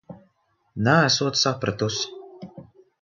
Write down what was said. Neesot sapratusi...